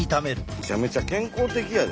めちゃめちゃ健康的やで。